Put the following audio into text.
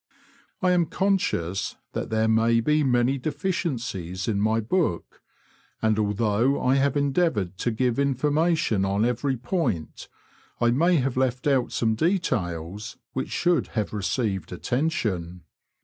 I am conscious that there may be many deflcien^cies in my book, and although I have endeavoured to give information on * every point, I may have left out some details which should Jiave received attention.